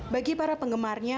bagi para penggemarnya